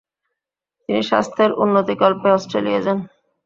তিনি স্বাস্থ্যের উন্নতিকল্পে অস্ট্রেলিয়ায় যান।